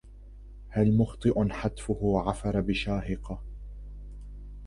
هل مخطئ حتفه عفر بشاهقة